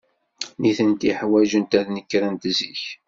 Nitenti ḥwajent ad nekrent zik.